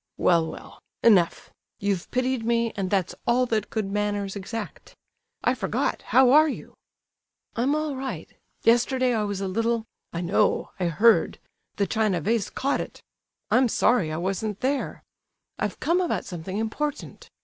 "Well, well! Enough! You've pitied me, and that's all that good manners exact. I forgot, how are you?" "I'm all right; yesterday I was a little—" "I know, I heard; the china vase caught it! I'm sorry I wasn't there. I've come about something important.